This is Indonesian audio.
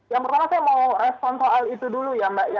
yang pertama saya mau respon soal itu dulu ya mbak